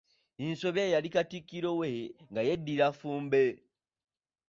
Nsobya ye yali Katikkiro we, nga yeddira Ffumbe.